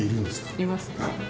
いますね。